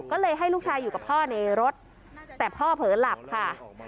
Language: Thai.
ก็เลยให้ลูกชายอยู่กับพ่อในรถแต่พ่อเผลอหลับค่ะ